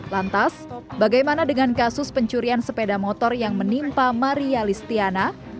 lantas bagaimana dengan kasus pencurian sepeda motor yang menimpa maria listiana